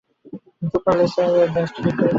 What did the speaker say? Trooper লেসাইল এর badge টা ঠিক করে দিতে পারবে?